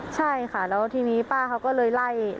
ใช่ค่ะแล้วทีนี้ป้าเขาก็เลยไล่